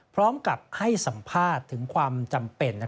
พร้อมกับให้สัมภาษณ์ถึงความจำเป็น